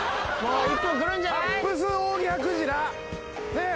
ねえ！